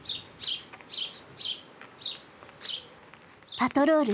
パトロール？